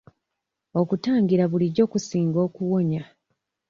Okutangira bulijjo kusinga okuwonya.